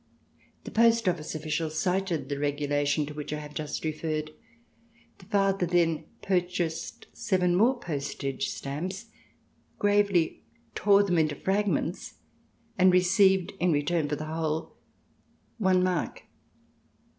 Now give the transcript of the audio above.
The post office official cited the regulation to which I have just referred. The father then purchased seven more postage stamps, gravely tore them into fragments, and received in return for the whole one mark.